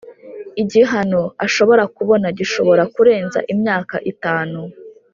Igihano ashobora kubona gishobora kurenza imyaka itanu